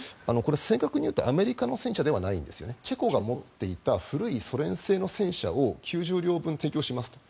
正確に言うとアメリカの戦車じゃないんですチェコが持っていた旧ソ連製の戦車を９０両分提供しますと。